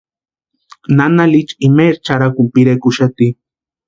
Nana Licha imaeri charhakuni pirekuxati.